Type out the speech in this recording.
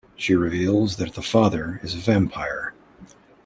She reveals that the father is a vampire.